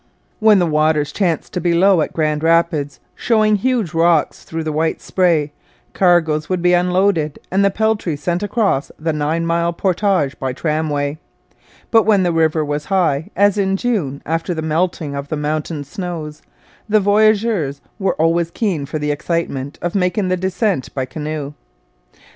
When the waters chanced to be low at Grand Rapids, showing huge rocks through the white spray, cargoes would be unloaded and the peltry sent across the nine mile portage by tramway; but when the river was high as in June after the melting of the mountain snows the voyageurs were always keen for the excitement of making the descent by canoe.